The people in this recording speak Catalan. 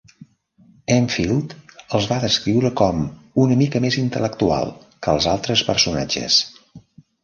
Enfield els va descriure com "una mica més intel·lectual" que els altres personatges.